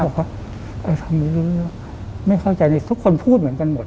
บอกว่าไม่เข้าใจนิดนึงทุกคนพูดเหมือนกันหมด